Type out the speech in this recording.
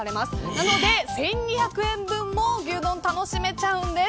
なので１２００円分も牛丼を楽しめちゃうんです。